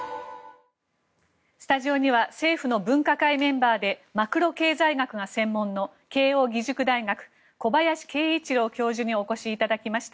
スタジオには政府の分科会メンバーでマクロ経済学が専門の慶応義塾大学小林慶一郎教授にお越しいただきました。